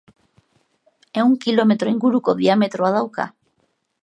Ehun kilometro inguruko diametroa dauka.